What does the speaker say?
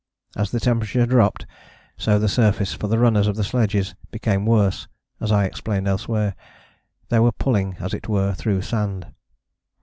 As the temperature dropped so the surface for the runners of the sledges became worse, as I explained elsewhere. They were pulling as it were through sand.